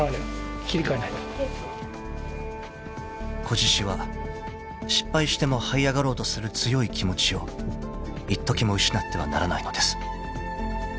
［仔獅子は失敗してもはい上がろうとする強い気持ちをいっときも失ってはならないのです］